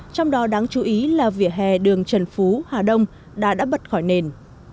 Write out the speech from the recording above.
trong đó đáng chú ý là vỉa hè đường trần phú hà đông đã bật khỏi nền